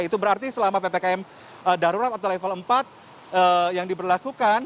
itu berarti selama ppkm darurat atau level empat yang diberlakukan